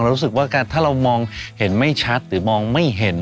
รู้สึกว่าถ้าเรามองเห็นไม่ชัดหรือมองไม่เห็น